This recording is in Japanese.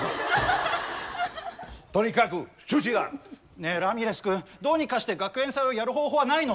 ねえラミレス君どうにかして学園祭をやる方法はないの？